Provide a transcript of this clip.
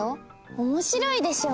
おもしろいでしょ。